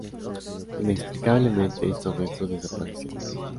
Inexplicablemente esto restos desaparecieron.